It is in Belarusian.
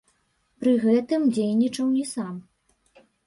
Пры гэтым дзейнічаў не сам.